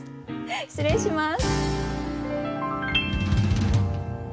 失礼します。